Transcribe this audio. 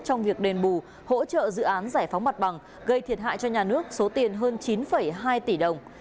trong việc đền bù hỗ trợ dự án giải phóng mặt bằng gây thiệt hại cho nhà nước số tiền hơn chín hai tỷ đồng